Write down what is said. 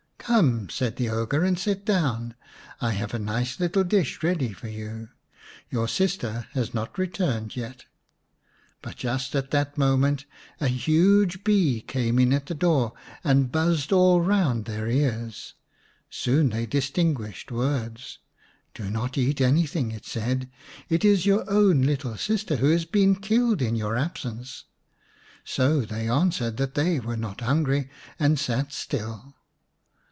" Come," said the ogre, " and sit down. I have a nice little dish ready for you. Your sister has not returned yet." But just at that moment a huge bee came in at the door and buzzed all round their ears. Soon they distinguished words. " Do not eat 226 xix The Beauty and the Beast anything," it said. "It is your own little sister who has been killed in your absence." So they answered that they were not hungry and sat still.